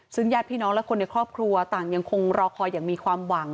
ซึ่งญาติพี่น้องและคนในครอบครัวต่างยังคงรอคอยอย่างมีความหวัง